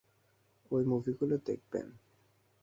ওই মুভিগুলো দেখবেন।